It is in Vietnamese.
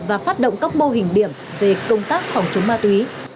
và phát động các mô hình điểm về công tác phòng chống ma túy